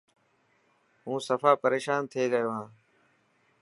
هون سفا پريشان ٿي گيو هان.